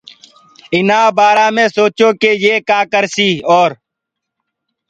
اُنآ بآرآ مي تو سوچو ڪي يي ڪآم ڪآ ڪرسيٚ اور